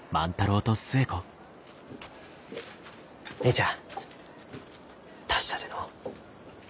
姉ちゃん達者でのう。